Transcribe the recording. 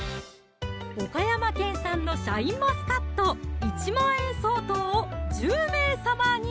岡山県産のシャインマスカット１万円相当を１０名様に！